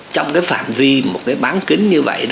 trong cái phạm vi một cái bán kính như vậy đó